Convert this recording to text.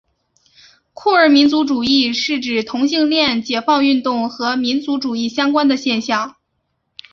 酷儿民族主义是指同性恋解放运动和民族主义相关的现象。